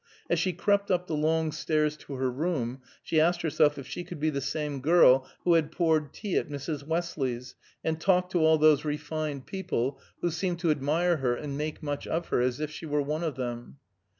As she crept up the long stairs to her room, she asked herself if she could be the same girl who had poured tea at Mrs. Westley's, and talked to all those refined people, who seemed to admire her and make much of her, as if she were one of them.